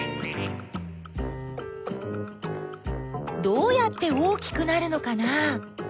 どうやって大きくなるのかな？